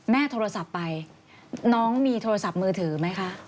โทรศัพท์ไปน้องมีโทรศัพท์มือถือไหมคะ